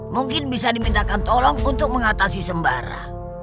mungkin bisa dimintakan tolong untuk mengatasi sembara